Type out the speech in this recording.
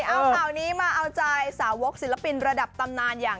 เอาข่าวนี้มาเอาใจสาวกศิลปินระดับตำนานอย่าง